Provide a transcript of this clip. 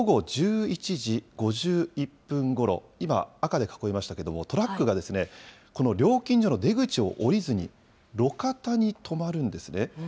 午後１１時５１分ごろ、今、赤で囲いましたけれども、トラックがこの料金所の出口を降りずに、路肩に止まるんですね。